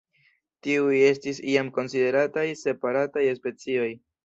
Tiuj estis iam konsiderataj separataj specioj.